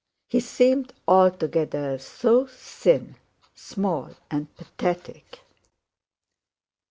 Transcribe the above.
He seemed altogether so thin, small, and pathetic.